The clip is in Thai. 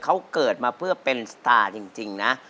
เขาเกิดมาเพื่อเป็นสตาร์จริงนะ